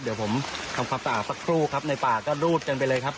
เดี๋ยวผมทำความสะอาดสักครู่ครับในป่าก็รูดกันไปเลยครับ